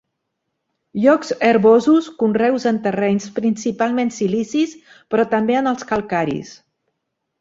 Llocs herbosos, conreus en terrenys principalment silicis però també en els calcaris.